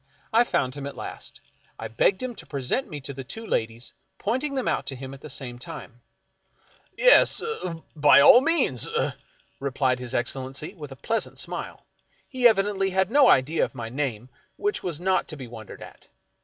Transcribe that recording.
I found him at last. I begged him to present me to the two ladies, pointing them out to him at the same time. " Yes — uh — by all means — uh," replied his Excellency with a pleasant smile. He evidently had no idea of my name, which was not to be wondered at.